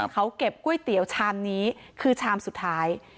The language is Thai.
เขาเก็บก๋วยเตี๋ยวชามนี้คือชามสุดท้าย